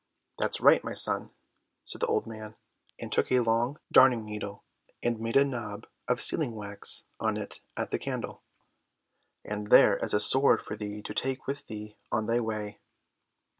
"That's right, my son," said the old man, and took a long darning needle and made a knob of sealing wax on it at the candle, "and there is a sword for thee to take with thee on the way."